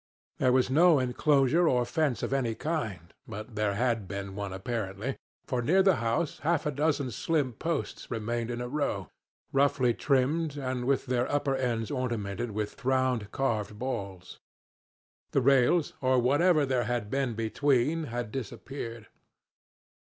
There was no inclosure or fence of any kind; but there had been one apparently, for near the house half a dozen slim posts remained in a row, roughly trimmed, and with their upper ends ornamented with round carved balls. The rails, or whatever there had been between, had disappeared.